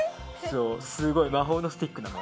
すごい魔法のスティックなの。